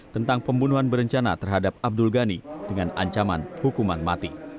tentang pembunuhan berencana terhadap abdul ghani dengan ancaman hukuman mati